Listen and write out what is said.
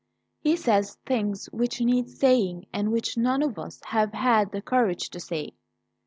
He says things which need saying and which none of us have had the courage to say.